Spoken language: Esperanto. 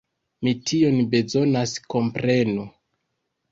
Mi tion bezonas, komprenu.